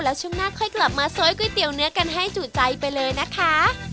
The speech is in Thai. แล้วช่วงหน้าค่อยกลับมาโซยก๋วเนื้อกันให้จู่ใจไปเลยนะคะ